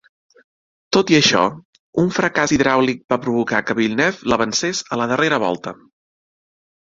Tot i això, un fracàs hidràulic va provocar que Villeneuve l"avancés a la darrera volta.